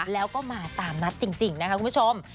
แล้วก็มาตามนัดจริงนะคะคุณผู้ชม